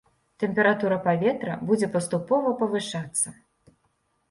Тэмпература паветра будзе паступова павышацца.